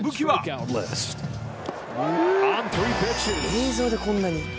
映像でこんなに？